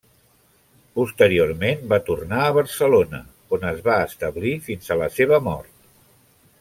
Posteriorment va tornar a Barcelona, on es va establir fins a la seva mort.